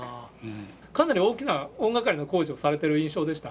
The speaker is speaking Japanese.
かなり大きな、大がかりな工事をされている印象でした？